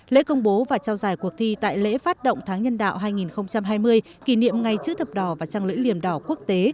lễ công bố và trao giải cuộc thi tại lễ phát động tháng nhân đạo hai nghìn hai mươi kỷ niệm ngày chữ thập đỏ và trang lễ liềm đỏ quốc tế